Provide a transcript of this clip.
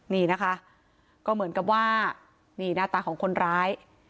นี่นะคะก็เหมือนกับว่านี่หน้าตาของคนร้าย